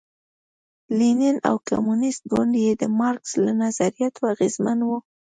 لینین او کمونېست ګوند یې د مارکس له نظریاتو اغېزمن و.